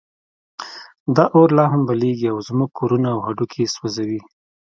دا اور لا هم بلېږي او زموږ کورونه او هډوکي سوځوي.